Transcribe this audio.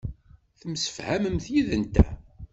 Temsefhamemt yid-nteɣ.